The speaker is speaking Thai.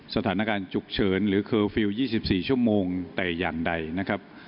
สถานการณ์ฉุกเฉินหรือเคอร์ฟิลล์๒๔ชั่วโมงแต่อย่างใดนะครับ